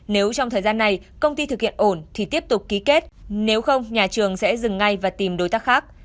nếu trong thời gian này công ty thực hiện ổn thì tiếp tục ký kết nếu không nhà trường sẽ dừng ngay và tìm đối tác khác